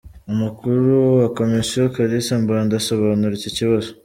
Umukuru wa Komisiyo Kalisa Mbanda asobanura iki kibazo.